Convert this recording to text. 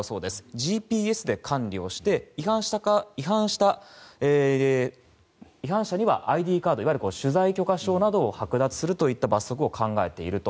ＧＰＳで管理をして違反者にはＩＤカード、いわゆる取材許可証などをはく奪するという罰則を考えていると。